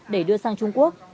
để đưa sang trung quốc